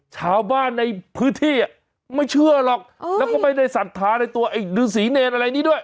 ชาวบ้านในพื้นที่ไม่เชื่อหรอกแล้วก็ไม่ได้ศรัทธาในตัวไอ้ฤษีเนรอะไรนี้ด้วย